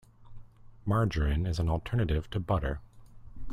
Margarine is an alternative to butter.